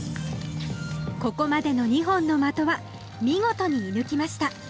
ここまでの２本の的は見事に射ぬきました。